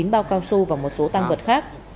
chín bao cao su và một số tăng vật khác